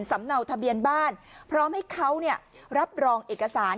เนาทะเบียนบ้านพร้อมให้เขารับรองเอกสาร